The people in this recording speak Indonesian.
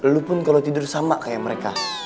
lo pun kalo tidur sama kayak mereka